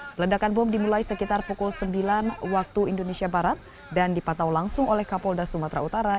peledakan bom dimulai sekitar pukul sembilan waktu indonesia barat dan dipantau langsung oleh kapolda sumatera utara